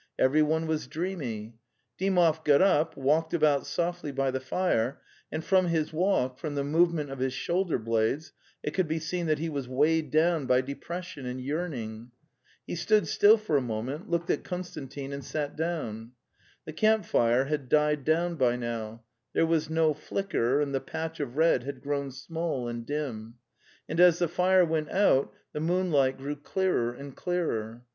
Everyone was dreamy. Dymov got up, walked about softly by the fire, and from his walk, from the movement of his shoulder blades, it could be seen that he was weighed down by depression and yearning. He stood still for a moment, looked at Konstantin and sat down. The camp fire had died down by now; there was no flicker, and the patch of red had grown small and dim. ... And as the fire went out the moonlight 262 The Tales of Chekhov grew clearer and clearer.